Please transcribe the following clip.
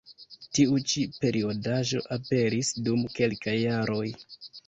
Tiu ĉi periodaĵo aperis dum kelkaj jaroj.